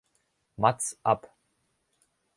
Maz ab!